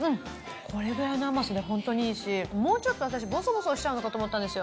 これぐらいの甘さで本当にいいしもうちょっと私ボソボソしちゃうのかと思ったんですよ